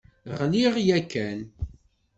Ɣliɣ yakan.